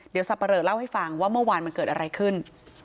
เดี๋ยวสับปะเลอเล่าให้ฟังว่าเมื่อวานมันเกิดอะไรขึ้น